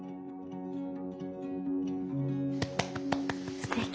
すてき。